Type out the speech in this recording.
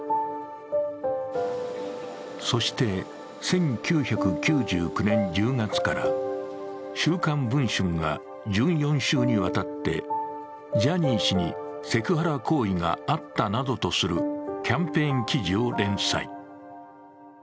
そして１９９９年１０月から「週刊文春」が１４週にわたってジャニー氏にセクハラ行為があったなどとするキャンペーン記事を連載。